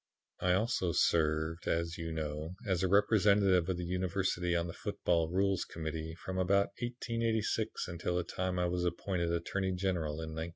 "I also served, as you know, as a representative of the University on the Football Rules Committee from about 1886 until the time I was appointed Attorney General in 1911.